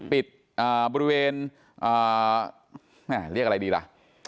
ปิดบริเวณเรียกอะไรดีล่ะ